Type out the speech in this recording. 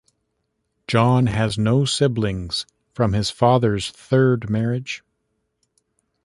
John has no siblings from his father's third marriage.